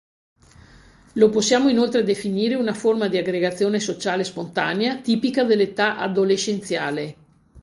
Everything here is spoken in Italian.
Lo possiamo inoltre definire una forma di aggregazione sociale spontanea tipica dell'età adolescenziale.